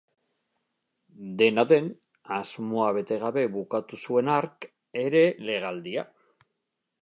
Dena den, asmoa bete gabe bukatu zuen hark ere legealdia.